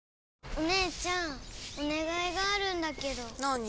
お姉ちゃんお願いがあるんだけど姉）